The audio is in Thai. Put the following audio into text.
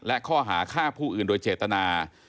และข้อหาฆ่าผู้อื่นโดยเจตนา